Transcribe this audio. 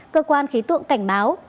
cơ quan khí tượng cảnh báo